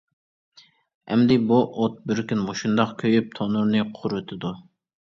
ئەمدى بۇ ئوت بىر كۈن مۇشۇنداق كۆيۈپ تونۇرنى قۇرىتىدۇ.